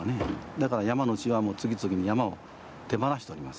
だから山主は次々に山を手放しております